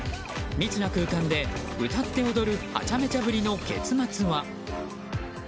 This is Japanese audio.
密な空間で、歌って踊るハチャメチャぶりの結末は。